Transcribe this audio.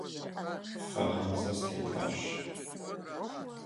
Фэгъазэ стетащ.